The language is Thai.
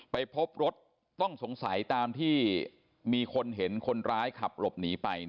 ไปพบรถต้องสงสัยตามที่มีคนเห็นคนร้ายขับหลบหนีไป